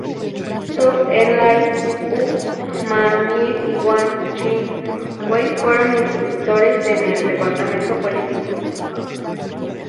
Zhou Enlai, Hu Han-min y Wang Ching-wei fueron instructores en el departamento político.